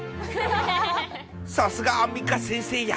さすがアンミカ先生や。